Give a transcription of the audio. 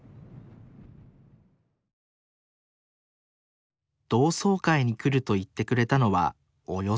同窓会に来ると言ってくれたのはおよそ２０人。